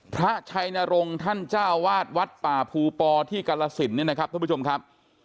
พระชัยนรงค์ท่านเจ้าวาดวัดป่าภูปอที่กรสินเนี่ยนะครับท่านผู้ชมครับ